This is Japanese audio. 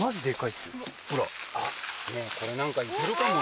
これ何か行けるかも。